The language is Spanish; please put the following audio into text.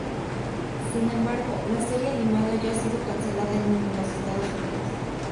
Sin embargo, la serie animada ya ha sido cancelada en los Estados Unidos.